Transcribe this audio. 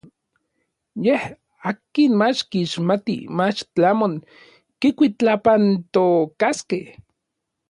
Yej n akin mach kixmatij mach tlamon kikuitlapantokaskej.